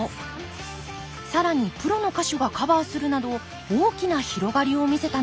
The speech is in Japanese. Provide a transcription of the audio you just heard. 更にプロの歌手がカバーするなど大きな広がりを見せたのです